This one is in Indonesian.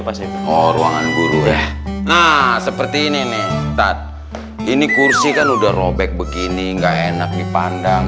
pasipul ruangan guru ya nah seperti ini ini kursi kan udah robek begini enggak enak dipandang